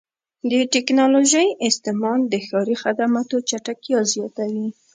د ټکنالوژۍ استعمال د ښاري خدماتو چټکتیا زیاتوي.